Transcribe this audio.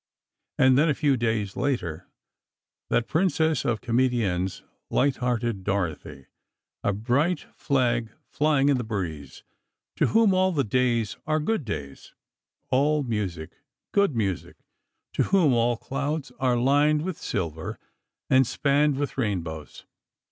And then, a few days later, that princess of comediennes, light hearted Dorothy, "a bright flag flying in the breeze," to whom all the days are good days, all music good music, to whom all clouds are lined with silver and spanned with rainbows.